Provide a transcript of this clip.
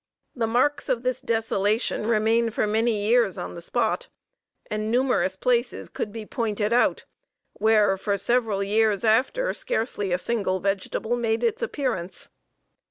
The marks of this desolation remain for many years on the spot; and numerous places could be pointed out, where, for several years after, scarcely a single vegetable made its appearance.